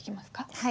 はい。